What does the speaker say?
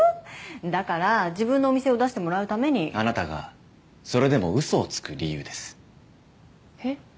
だから自分のお店を出してもらうためにあなたがそれでもウソをつく理由ですえっ？